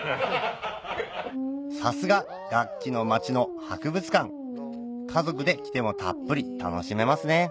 さすが楽器の街の博物館家族で来てもたっぷり楽しめますね